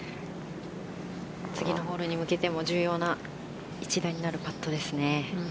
次のホールに向けても重要な１打になるパットですね。